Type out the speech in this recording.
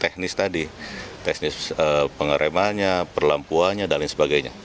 teknis tadi teknis pengeremannya perlampuannya dan lain sebagainya